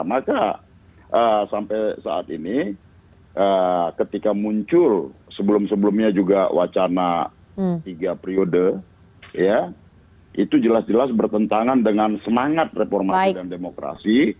maka sampai saat ini ketika muncul sebelum sebelumnya juga wacana tiga periode ya itu jelas jelas bertentangan dengan semangat reformasi dan demokrasi